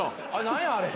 何やあれ。